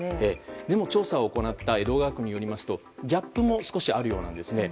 でも、調査を行った江戸川区によりますとギャップも少しあるようです。